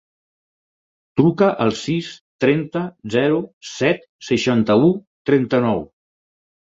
Truca al sis, trenta, zero, set, seixanta-u, trenta-nou.